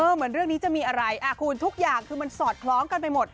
เหมือนเรื่องนี้จะมีอะไรคุณทุกอย่างคือมันสอดคล้องกันไปหมด